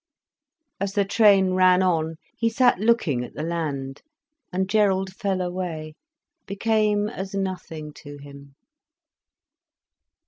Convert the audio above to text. As the train ran on, he sat looking at the land, and Gerald fell away, became as nothing to him.